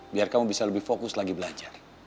biar kamu bisa lebih fokus lagi belajar